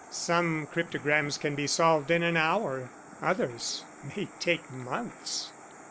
"Some cryptograms can be solved in an hour; others may take months."